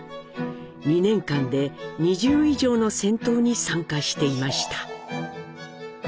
２年間で２０以上の戦闘に参加していました。